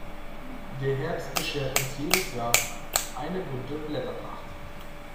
Der Herbst beschert uns jedes Jahr eine bunte Blätterpracht.